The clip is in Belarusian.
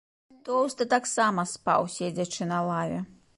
Тоўсты таксама спаў, седзячы на лаве.